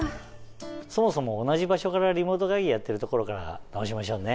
そもそも同じ場所からリモート会議やってるところから直しましょうね。